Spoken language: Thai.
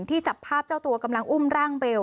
จับภาพเจ้าตัวกำลังอุ้มร่างเบล